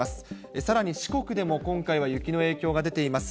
さらに四国でも、今回は雪の影響が出ています。